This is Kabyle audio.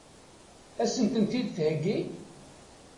Ad sent-tent-id-theggi?